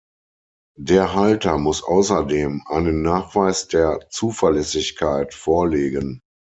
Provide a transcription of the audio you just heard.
Der Halter muss außerdem einen Nachweis der Zuverlässigkeit vorlegen.